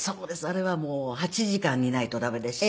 あれはもう８時間煮ないと駄目ですし。